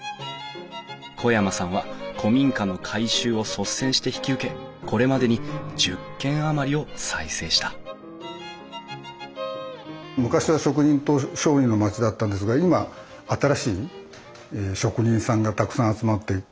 小山さんは古民家の改修を率先して引き受けこれまでに１０軒余りを再生した昔は職人と商人の町だったんですが今新しい職人さんがたくさん集まってきて活躍されています。